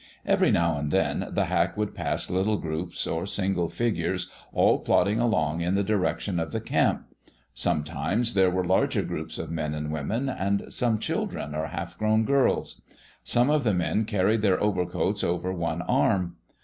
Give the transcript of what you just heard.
Every now and then the hack would pass little groups or single figures, all plodding along in the direction of the camp. Sometimes there were larger groups of men and women and some children or half grown girls. Some of the men carried their overcoats over one arm.